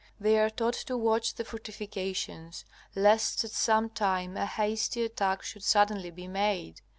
They are taught to watch the fortifications lest at some time a hasty attack should suddenly be made.